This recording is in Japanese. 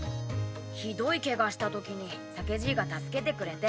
ひどいケガした時に酒爺が助けてくれて。